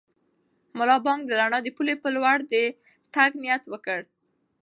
ملا بانګ د رڼا د پولې په لور د تګ نیت وکړ.